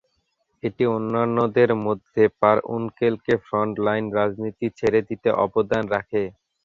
এটি অন্যান্যদের মধ্যে, পার উনকেলকে ফ্রন্ট-লাইন রাজনীতি ছেড়ে দিতে অবদান রাখে।